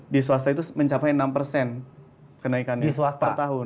di swasta itu mencapai enam persen kenaikannya per tahun